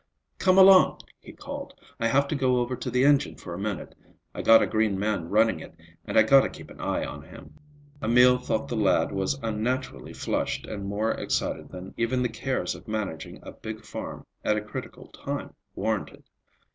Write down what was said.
"Come along," he called. "I have to go over to the engine for a minute. I gotta green man running it, and I gotta to keep an eye on him." Emil thought the lad was unnaturally flushed and more excited than even the cares of managing a big farm at a critical time warranted.